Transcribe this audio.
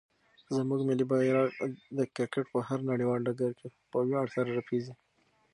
زموږ ملي بیرغ د کرکټ په هر نړیوال ډګر کې په ویاړ سره رپېږي.